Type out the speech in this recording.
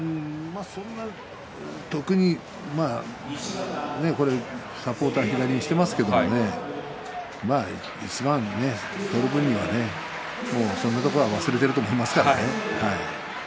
特に、サポーターは左にしていますけれどもね一番取る分には、そんなところは忘れていると思いますよね。